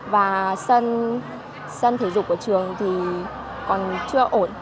và sân thể dục của trường thì còn chưa ổn